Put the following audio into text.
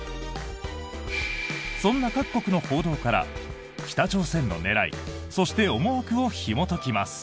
そんな各国の報道から北朝鮮の狙いそして、思惑をひもときます。